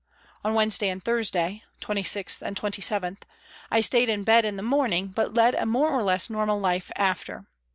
On Wednesday and Thursday (26th and 27th) I stayed in bed in the morning, but led a more or less normal life after.